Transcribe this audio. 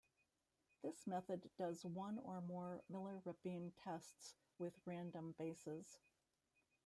This method does one or more Miller-Rabin tests with random bases.